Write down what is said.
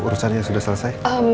urusannya sudah selesai